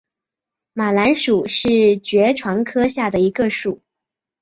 马蓝属是爵床科下的一个属。